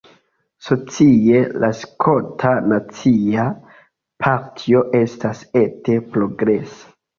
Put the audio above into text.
Socie, la Skota Nacia Partio estas ete progresa.